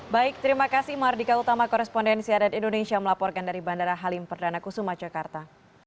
baik terima kasih mardika utama korespondensi adat indonesia melaporkan dari bandara halim perdana kusuma jakarta